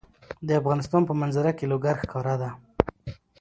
د افغانستان په منظره کې لوگر ښکاره ده.